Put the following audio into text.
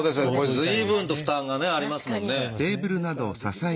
随分と負担がありますもんね。